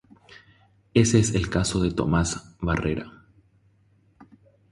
Ese es el caso de Tomás Barrera.